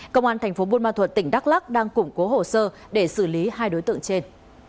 công an tp bôn ma thuật tỉnh đắk lắc đang củng cố hồ sơ để xử lý hai đối tượng trên